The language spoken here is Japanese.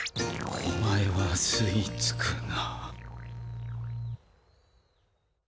おまえはすいつくな。